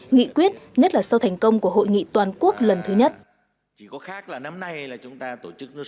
nghị quyết nhất là sau thành công của hội nghị toàn quốc lần thứ nhất